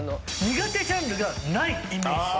苦手ジャンルがないイメージです。